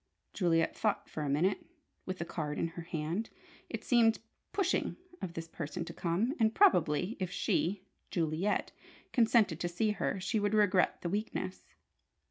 Juliet thought for a minute, with the card in her hand. It seemed "pushing" of this person to come, and probably if she Juliet consented to see her, she would regret the weakness.